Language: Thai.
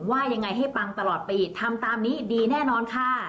ว่ายังไงให้ปังตลอดปีทำตามนี้ดีแน่นอนค่ะ